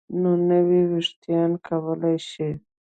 نو نوي ویښتان کولی شي